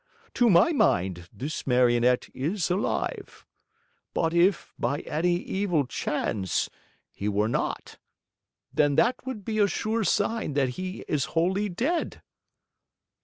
To my mind this Marionette is alive; but if, by any evil chance, he were not, then that would be a sure sign that he is wholly dead!"